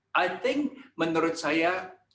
saya pikir menurut saya